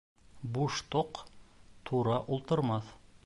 Буш тоҡ тура ултырмаҫ.